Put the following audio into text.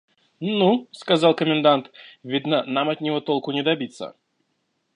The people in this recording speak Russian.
«Ну, – сказал комендант, – видно, нам от него толку не добиться.